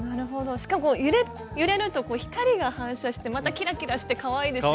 しかも揺れると光が反射してまたキラキラしてかわいいですね。